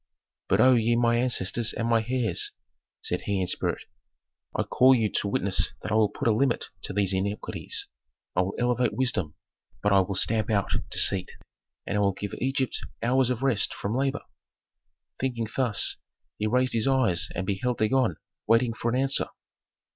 "But O ye my ancestors and my heirs," said he in spirit, "I call you to witness that I will put a limit to these iniquities; I will elevate wisdom, but I will stamp out deceit, and I will give Egypt hours of rest from labor." Thinking thus, he raised his eyes and beheld Dagon waiting for an answer.